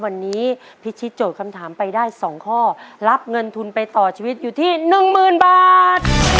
วันนี้พิชิตโจทย์คำถามไปได้๒ข้อรับเงินทุนไปต่อชีวิตอยู่ที่๑๐๐๐บาท